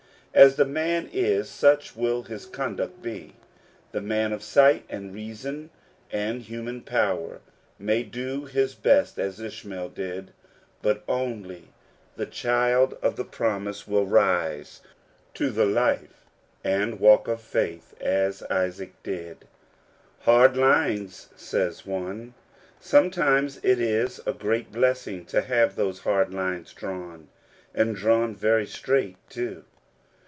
As the man is, such will his conduct be. The man of sight, and reason, and human power, may do his best, as Ishmael did ; but only the child of the The Two Lives, 19 promise will rise to the life and walk of faith a Isaac did. " Hard lines^' says one. Sometimes it is a great blessing to have those hard lines drawn, and drawn very straight, too.